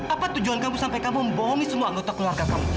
apa tujuan kamu sampai kamu membohongi semua anggota keluarga kamu